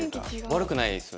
悪くない？